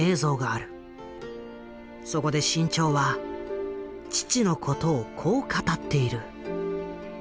そこで志ん朝は父のことをこう語っている。